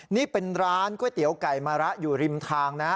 นี่เป็นร้านก๋วยเตี๋ยวไก่มะระอยู่ริมทางนะ